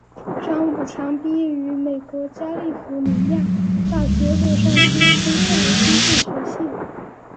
张五常毕业于美国加利福尼亚大学洛杉矶分校经济学系。